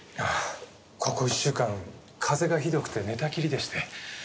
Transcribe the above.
ああここ１週間風邪がひどくて寝たきりでして。